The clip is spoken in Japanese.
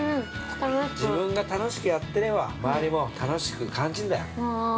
自分が楽しくやっていれば、回りも楽しく感じるんだよ。